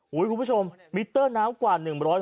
บี่โสดครูผู้ชมไมเตอร์หน้ากว่า๑๐๐นะ